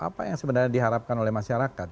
apa yang sebenarnya diharapkan oleh masyarakat